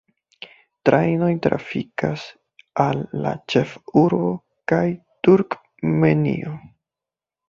Trajnoj trafikas al la ĉefurbo kaj Turkmenio.